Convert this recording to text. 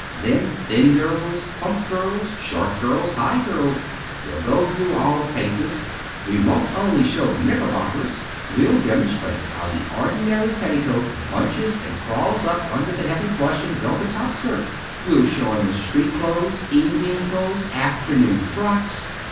Then, thin girls, plump girls, short girls, high girls. They'll go through all the paces. We won't only show the knickerbockers: we demonstrate how the ordinary petticoat bunches and crawls up under the heavy plush and velvet top skirt. We'll show 'em in street clothes, evening clothes, afternoon frocks.